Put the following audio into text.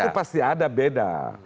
itu pasti ada beda